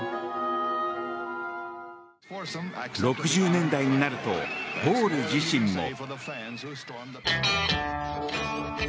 ６０年代になるとポール自身も。